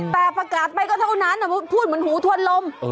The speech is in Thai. แต่ประกาศไปก็เท่านั้นพูดเหมือนหูทวนลม